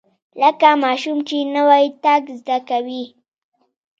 لکه ماشوم چې نوى تګ زده کوي.